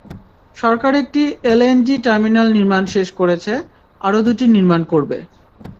সরকার একটি LNG terminal নির্মাণ শেষ করেছে, আরও দুটি নির্মাণ করবে।